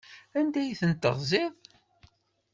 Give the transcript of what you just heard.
Anda ay ten-teɣziḍ?